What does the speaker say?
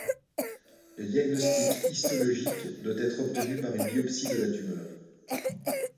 Le diagnostic histologique doit être obtenu par une biopsie de la tumeur.